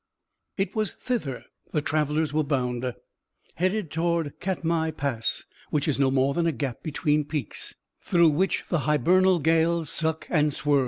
It was thither the travellers were bound, headed toward Katmai Pass, which is no more than a gap between peaks, through which the hibernal gales suck and swirl.